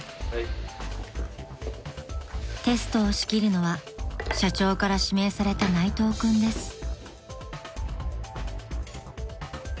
［テストを仕切るのは社長から指名された内藤君です］